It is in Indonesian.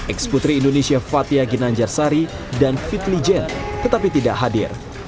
eksputri indonesia fathia ginanjarsari dan fitli jel tetapi tidak hadir